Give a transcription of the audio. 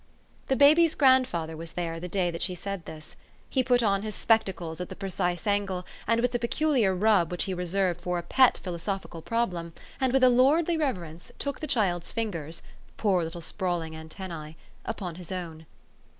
The baby's grandfather was there the day that she 274 THE STORY OF AVIS. said this. He put on his spectacles at the precise angle and with the peculiar rub which he reserved for a pet philosophical problem, and with a lordly rever ence took the child's fingers poor little sprawling antennae upon his own.